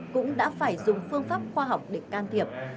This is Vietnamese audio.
cũng đã phải dùng phương pháp khoa học để can thiệp